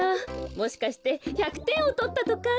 もしかして１００てんをとったとか？